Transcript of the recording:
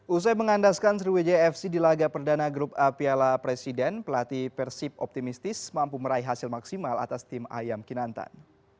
usai mengandaskan sriwijaya fc di laga perdana grup a piala presiden pelatih persib optimistis mampu meraih hasil maksimal atas tim ayam kinantan